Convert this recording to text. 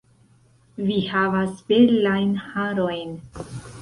Vi havas belajn harojn